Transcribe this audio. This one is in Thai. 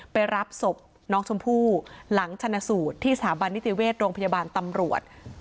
ไปรับศพน้องชมพู่หลังชนะสูตรที่สถาบันนิติเวชโรงพยาบาลตำรวจ